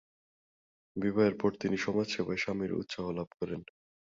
বিবাহের পর তিনি সমাজসেবায় স্বামীর উৎসাহ লাভ করেন।